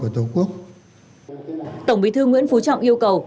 tổng bí thư nguyễn phú trọng yêu cầu